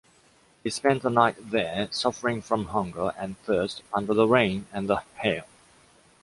He spent the night there, suffering from hunger and thirst, under the rain and the hail.